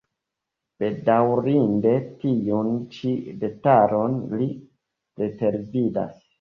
Bedaŭrinde, tiun ĉi detalon li pretervidas.